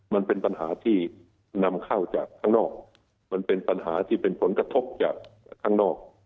มันเป็นปัญหาที่นำเข้าจากข้างนอกมันเป็นปัญหาที่เป็นผลกระทบจากข้างนอก